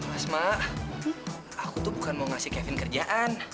asma aku tuh bukan mau ngasih kevin kerjaan